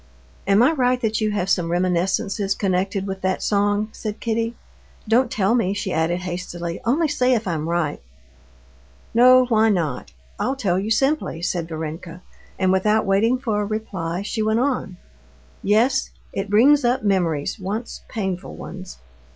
"Am I right, that you have some reminiscences connected with that song?" said Kitty. "Don't tell me," she added hastily, "only say if I'm right." "No, why not? I'll tell you simply," said Varenka, and, without waiting for a reply, she went on: "Yes, it brings up memories, once painful ones.